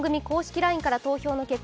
ＬＩＮＥから投票の結果